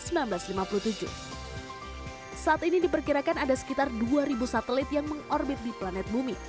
saat ini diperkirakan ada sekitar dua satelit yang mengorbit di planet bumi